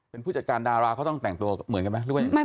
เป็นผู้จัดการดาราเขาต้องแต่งตัวเหมือนกันไหม